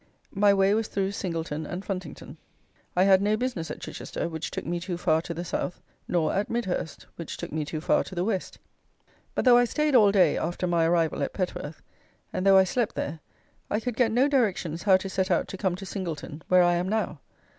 My way was through Singleton and Funtington. I had no business at Chichester, which took me too far to the South; nor at Midhurst, which took me too far to the West. But though I stayed all day (after my arrival) at Petworth, and though I slept there, I could get no directions how to set out to come to Singleton, where I am now.